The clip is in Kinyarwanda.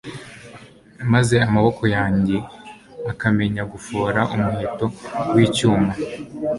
maze amaboko yanjye akamenya gufora umuheto w’icyuma